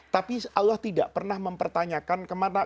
tapi allah tidak pernah mempertanyakan kemana